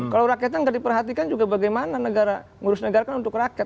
kalau rakyatnya nggak diperhatikan juga bagaimana negara ngurus negara kan untuk rakyat